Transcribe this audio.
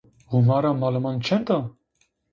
Hûmara maliman çend a?